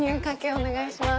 お願いします。